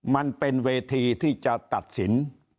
มันเป็นเวทีที่จะตัดสิน